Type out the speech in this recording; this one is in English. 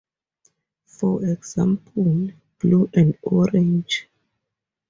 For example, blue and orange.